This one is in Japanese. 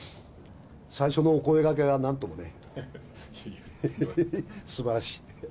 最初のお声がけがなんともね。すばらしい。